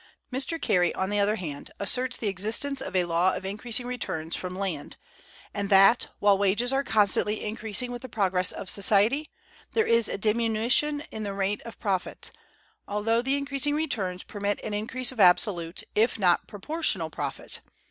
Mr. Carey, on the other hand, asserts the existence of a law of increasing returns from land, and that, while wages are constantly increasing with the progress of society, there is a diminution in the rate of profit, although the increasing returns permit an increase of absolute, if not of proportional, profit.